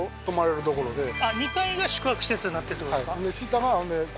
あっ２階が宿泊施設になってるってことですか？